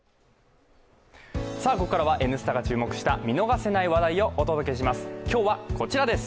ここからは「Ｎスタ」が注目した見逃せない話題をお伝えします。